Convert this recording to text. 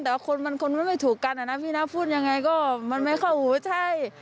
แต่ว่าคนมันคนมันไม่ถูกกันอะนะพี่นะพูดยังไงก็มันไม่เข้าหูใช่